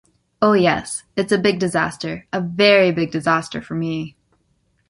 Oh yes. It is a big disaster, a very big disaster for me!